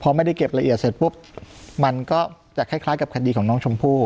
พอไม่ได้เก็บละเอียดเสร็จปุ๊บมันก็จะคล้ายกับคดีของน้องชมพู่